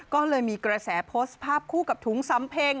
ก็เลยมีกระแสโพสต์ภาพคู่กับถุงสำเพ็ง